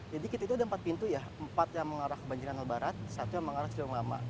jadi kita itu ada empat pintu ya empat yang mengarah ke banjir yang ke barat satu yang mengarah ke ciliwung lama